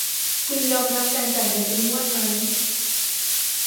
คุณยอมรับการจ่ายเงินเป็นงวดมั้ย ?